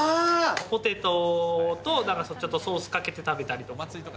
ポテトと、なんかその、ちょっとソースかけて食べたりとか。